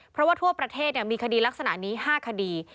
เพราะว่าทั่วประเทศมีคดีลักษณะนี้๕คดี